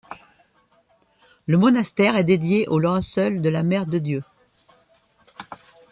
Le monastère est dédié au Linceul de la Mère de Dieu.